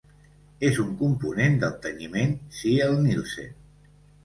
És un component del tenyiment Ziehl-Neelsen.